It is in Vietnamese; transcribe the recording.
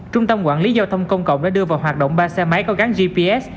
trung tâm quản lý giao thông công cộng đã đưa vào hoạt động ba xe máy có gắn gps